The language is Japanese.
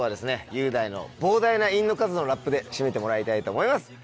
雄大の膨大な韻の数のラップで締めてもらいたいと思います。